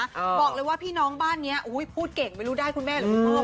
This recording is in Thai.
บอกเลยว่าพี่น้องบ้านนี้พูดเก่งไม่รู้ได้คุณแม่หรือคุณพ่อ